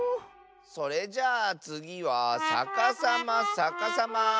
それじゃあつぎはさかさまさかさま！